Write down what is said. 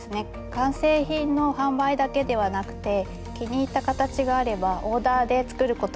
完成品の販売だけではなくて気に入った形があればオーダーで作ることもできます。